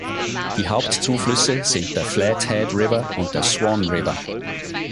Die Hauptzuflüsse sind der Flathead River und der Swan River.